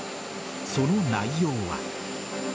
その内容は。